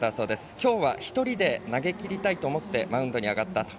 今日は１人で投げきりたいと思ってマウンドに上がったと。